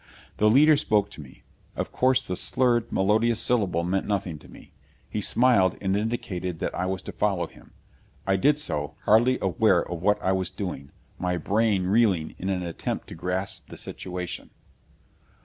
The leader spoke to me. Of course the slurred, melodious syllable meant nothing to me. He smiled and indicated that I was to follow him. I did so, hardly aware of what I was doing, my brain reeling in an attempt to grasp the situation.